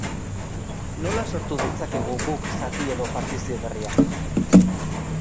Nola sortu ditzakegu guk zati edo partizio berriak?